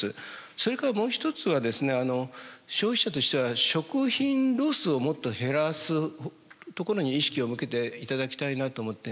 それからもう一つはですね消費者としては食品ロスをもっと減らすところに意識を向けていただきたいなと思っています。